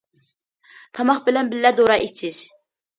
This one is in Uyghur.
تاماق بىلەن بىللە دورا ئىچىش.